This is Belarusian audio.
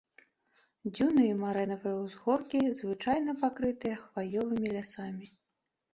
Дзюны і марэнавыя ўзгоркі звычайна пакрытыя хваёвымі лясамі.